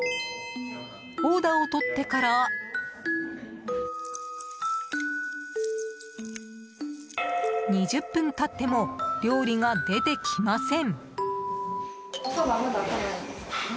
オーダーをとってから２０分経っても料理が出てきません。